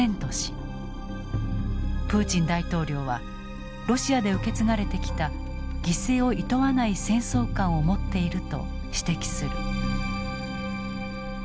プーチン大統領はロシアで受け継がれてきた犠牲をいとわない戦争観を持っていると指摘する。